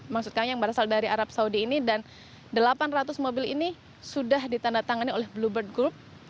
maksud kami yang berasal dari arab saudi ini dan delapan ratus mobil ini sudah ditandatangani oleh blue bird group